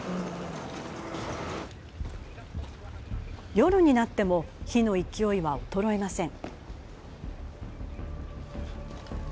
夜になっても火の勢いは衰えません。